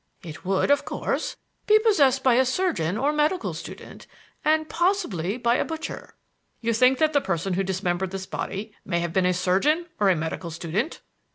"It would, of course, be possessed by a surgeon or medical student, and possibly by a butcher." "You think that the person who dismembered this body may have been a surgeon or a medical student?"